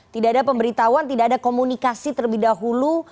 tidak ada pemberitahuan tidak ada komunikasi terlebih dahulu